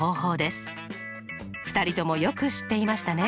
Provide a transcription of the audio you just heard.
２人ともよく知っていましたね。